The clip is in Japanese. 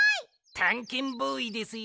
たんけんボーイですよ。